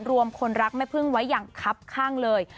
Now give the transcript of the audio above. คนรักแม่พึ่งไว้อย่างคับข้างเลย